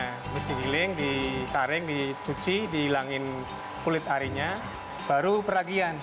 habis dihiling disaring dicuci dihilangkan kulit arinya baru peragihan